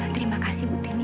terima kasih bu timi